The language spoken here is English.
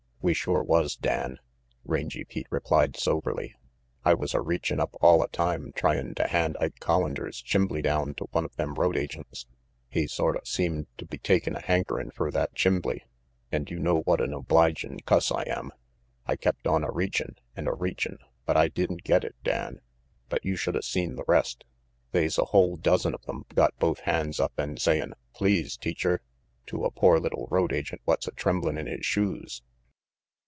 "We sure was, Dan," Rangy Pete replied soberly. "I was a reachin' up alia time try in' to hand Ike Collander's chimbley down to one of them road agents. He sorta seemed to be takin' a hankerin' fer that chimbley, and you know what an obligin' cuss I am. I kept on a reachin' and a reachin' but I didn't get it, Dan. But you shoulda seen the rest. They's a whole dozen of them got both hands up and sayin' * please, teacher' to a pore little road agent what's tremblin' in his shoes."